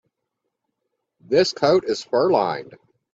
This coat is fur-lined.